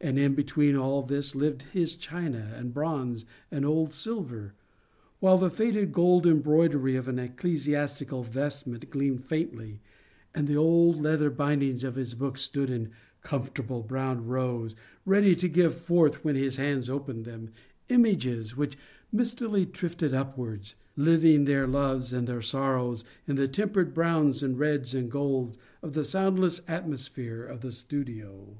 And in between all this lived his china and bronze and old silver, while the faded gold embroidery of an ecclesiastical vestment gleamed faintly and the old leather bindings of his books stood in comfortable brown rows, ready to give forth, when his hands opened them, images which mistily drifted upwards, living their loves and their sorrows in the tempered browns and reds and golds of the soundless atmosphere of the studio.